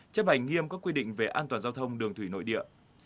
chấp hành nghiêm các quy định về an toàn giao thông đường thủy nội địa